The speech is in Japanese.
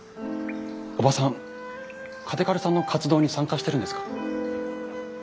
おばさん嘉手刈さんの活動に参加してるんですか？